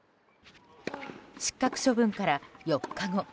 失格処分から４日後